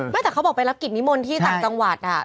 ไม่แต่เขาบอกไปรับกิจนิมนต์ที่ต่างจังหวัด